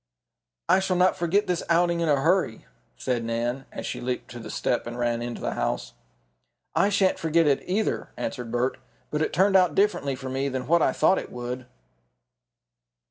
"I shall not forget this outing in a hurry," said Nan, as she leaped to the step and ran into the house. "I shan't forget it either," answered Bert. "But it turned out differently for me from what I thought it would."